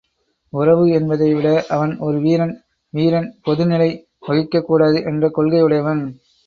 உறவு என்பதை விட அவன் ஒரு வீரன் வீரன் பொதுநிலை வகிக்கக் கூடாது என்ற கொள்கை உடையவன்.